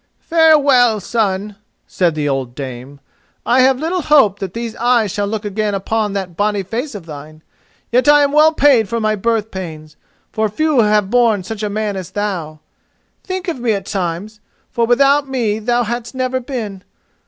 "Farewell, son," said the old dame; "I have little hope that these eyes shall look again upon that bonny face of thine, yet I am well paid for my birth pains, for few have borne such a man as thou. Think of me at times, for without me thou hadst never been.